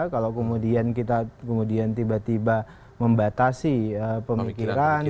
kalau kemudian kita kemudian tiba tiba membatasi pemikiran